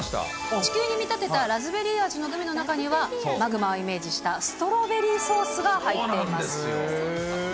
地球に見立てたラズベリー味のグミの中には、マグマをイメージしたストロベリーソースが入っています。